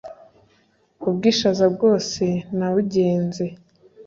ubwishaza bwose nabugenze